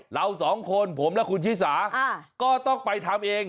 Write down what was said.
เราสองคนผมและคุณชิสาก็ต้องไปทำเอง